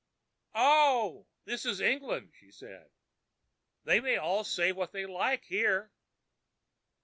"Oh, this is England," she said. "They may all say what they like here."